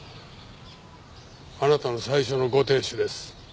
あなたの最初のご亭主です。